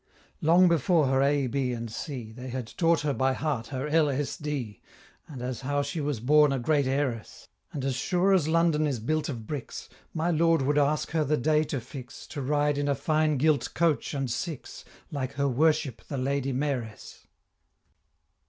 Long before her A B and C, They had taught her by heart her L. S. D. And as how she was born a great Heiress; And as sure as London is built of bricks, My Lord would ask her the day to fix, To ride in a fine gilt coach and six, Like Her Worship the Lady May'ress.